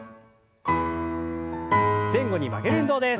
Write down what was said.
前後に曲げる運動です。